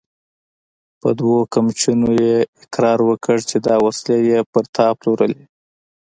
په دوو قمچينو يې اقرار وکړ چې دا وسلې يې پر تا پلورلې!